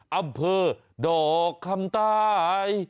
อำเภอดอกคำใต้